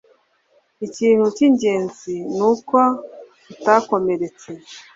Ikintu cyingenzi nuko utakomeretse